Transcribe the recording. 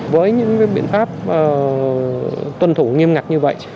với những biện pháp tuân thủ nghiêm ngặt như vậy